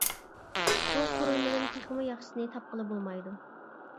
بۇ قۇرۇلمىدىن تېخىمۇ ياخشىسىنى تاپقىلى بولمايدۇ.